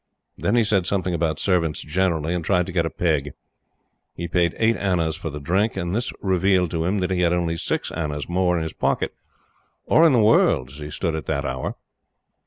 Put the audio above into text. Then he said something about servants generally and tried to get a peg. He paid eight annas for the drink, and this revealed to him that he had only six annas more in his pocket or in the world as he stood at that hour.